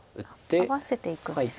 合わせていくんですか。